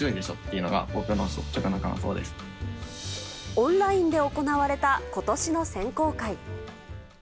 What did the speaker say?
オンラインで行われた今年の選考会。